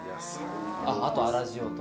あと粗塩と。